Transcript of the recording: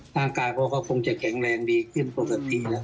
ทางการเขาก็คงจะแข็งแรงดีขึ้นกว่าสักทีนะ